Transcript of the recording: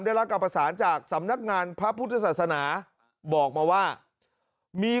ได้รับการประสานจากสำนักงานพระพุทธศาสนาบอกมาว่ามี